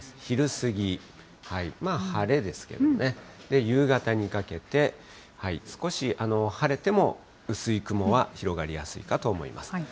昼過ぎ、晴れですけどね、夕方にかけて、少し晴れても薄い雲は広がりやすいかと思います。